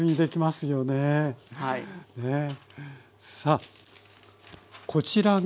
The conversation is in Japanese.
さあこちらが。